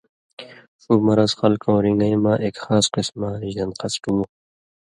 شُو مرض خلکؤں رِن٘گَیں مہ اېک خاص قسماں ژن٘د خسٹُو